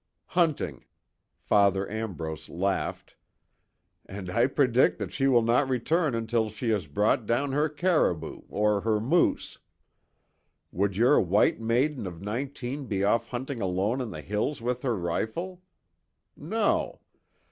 "Hunting." Father Ambrose laughed: "And I predict that she will not return until she has brought down her caribou, or her moose. Would your white maiden of nineteen be off hunting alone in the hills with her rifle? No.